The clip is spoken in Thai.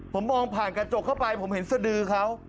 ผมมองผ่านกระจกเข้าไปผมเห็นสดือเขา